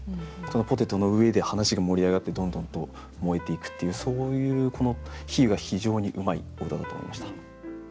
ポテトの上で話が盛り上がってどんどんと燃えていくっていうそういうこの比喩が非常にうまいお歌だと思いました。